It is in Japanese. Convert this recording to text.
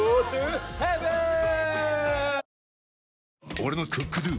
俺の「ＣｏｏｋＤｏ」！